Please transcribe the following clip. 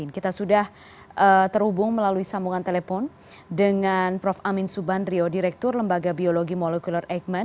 kita sudah terhubung melalui sambungan telepon dengan prof amin subandrio direktur lembaga biologi molekuler eijkman